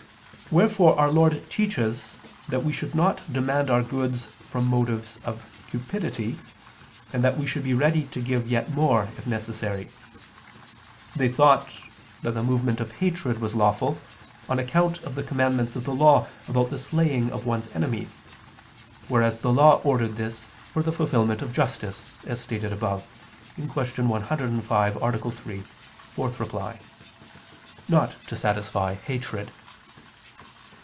Wherefore Our Lord teaches that we should not demand our goods from motives of cupidity, and that we should be ready to give yet more if necessary. They thought that the movement of hatred was lawful, on account of the commandments of the Law about the slaying of one's enemies: whereas the Law ordered this for the fulfilment of justice, as stated above (Q. 105, A. 3, ad 4), not to satisfy hatred.